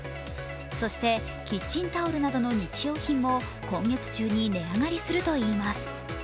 そしてキッチンタオルなどの日用品も今月中に値上がりするといいます。